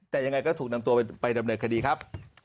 แต่ยังไงก็ถูกนำตัวไปดำเนินคดีครับ